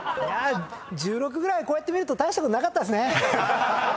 １６ぐらいこうやって見ると大したことなかったですね！